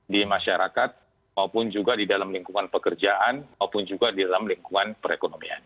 di masyarakat maupun juga di dalam lingkungan pekerjaan maupun juga di dalam lingkungan perekonomian